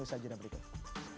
usaha jeda berikutnya